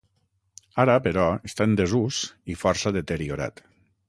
Ara, però, està en desús i força deteriorat.